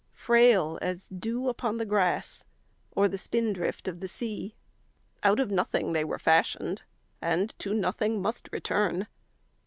Frail as dew upon the grass Or the spindrift of the sea, Out of nothing they were fashioned And to nothing must return.